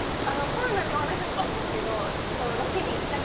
コロナではなかったんですけどちょっと。